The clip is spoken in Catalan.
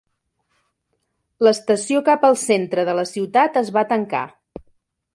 L'estació cap al centre de la ciutat es va tancar.